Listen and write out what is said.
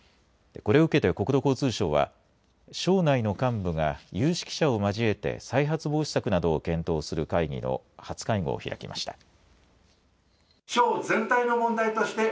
これを受けて国土交通省は省内の幹部が有識者を交えて再発防止策などを検討する会議の初会合を開きました。